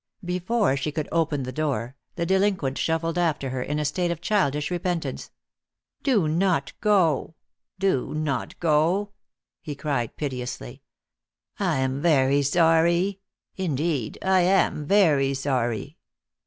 Before she could open the door the delinquent shuffled after her, in a state of childish repentance. "Do not go, do not go!" he cried piteously. "I am very sorry; indeed, I am very sorry."